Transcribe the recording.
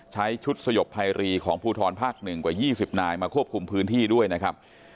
ใช้ชุดสยบภัยรีของภูทรภาค๑กว่า๒๐นายมาควบคุมพื้นที่ด้วยนะครับ